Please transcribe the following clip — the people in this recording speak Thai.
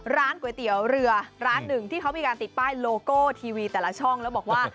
ร้านก๋วยเตี๋ยวเรือร้านหนึ่งที่เขามีการติดป้ายโลโก้ทีวีแต่ละช่องแล้วบอกว่า